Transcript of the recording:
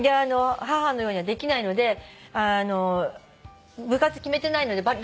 母のようにはできないので部活決めてないので。